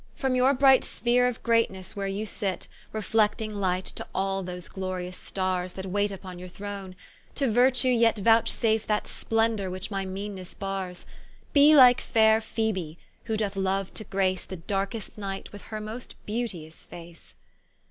From your bright spheare of greatnes where you sit, Reflecting light to all those glorious stars That wait vpon your Throane; To virtue yet Vouchsafe that splendor which my meannesse bars: Be like faire Phoebe, who doth loue to grace The darkest night with her most beauteous face.